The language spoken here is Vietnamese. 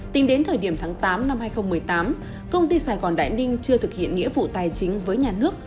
tính đến thời điểm tháng tám năm hai nghìn một mươi tám công ty sài gòn đại ninh chưa thực hiện nghĩa vụ tài chính với nhà nước